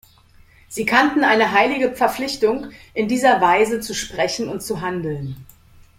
Sie kannten eine heilige Verpflichtung, in dieser Weise zu sprechen und zu handeln.